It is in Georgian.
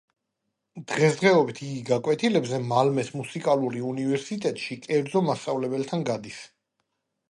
დღესდღეობით იგი გაკვეთილებზე მალმეს მუსიკალური უნივერსიტეტში, კერძო მასწავლებელთან გადის.